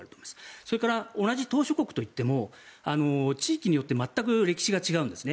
それから同じ島しょ国といっても地域によって全く歴史が違うんですね。